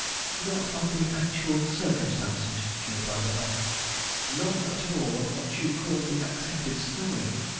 "Not of the actual circumstances," she replied at last, "none at all of what you call the accepted story.